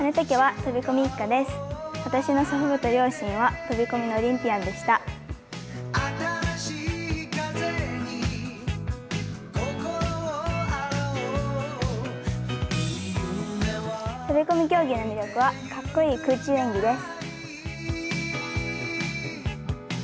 飛込競技の魅力はかっこいい空中演技です。